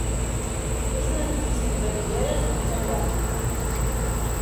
És un edifici entre mitgeres d'origen gòtic.